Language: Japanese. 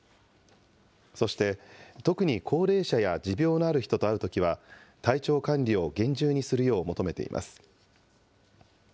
そして、特に高齢者や持病のある人と会うときは、体調管理を厳重にするよう求めています。